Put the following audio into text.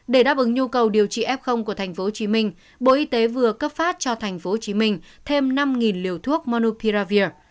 để đáp ứng nhu cầu điều trị f của tp hcm bộ y tế vừa cấp phát cho tp hcm thêm năm liều thuốc monopiravir